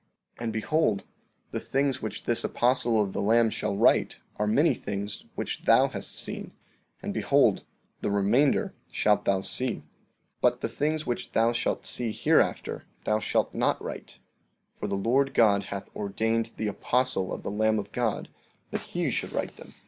14:24 And behold, the things which this apostle of the Lamb shall write are many things which thou hast seen; and behold, the remainder shalt thou see. 14:25 But the things which thou shalt see hereafter thou shalt not write; for the Lord God hath ordained the apostle of the Lamb of God that he should write them.